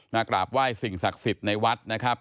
กราบไหว้สิ่งศักดิ์สิทธิ์ในวัดนะครับ